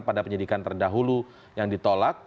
pada penyidikan terdahulu yang ditolak